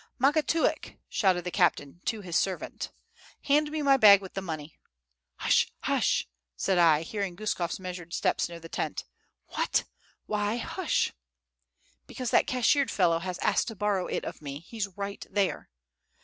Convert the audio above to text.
"Makatiuk!" shouted the captain to his servant, [Footnote: Denshchik.] "hand me my bag with the money." "Hush, hush!" said I, hearing Guskof's measured steps near the tent. "What? Why hush?" "Because that cashiered fellow has asked to borrow it of me. He's right there."